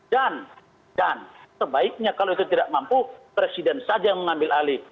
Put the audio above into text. dan dan sebaiknya kalau itu tidak mampu presiden saja yang mengambil alih